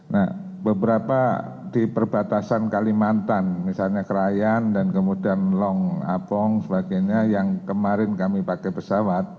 nah beberapa di perbatasan kalimantan misalnya krayan dan kemudian long apong sebagainya yang kemarin kami pakai pesawat